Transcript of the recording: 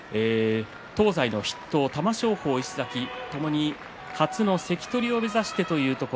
東西の筆頭玉正鳳、石崎ともに初の関取を目指してというところ。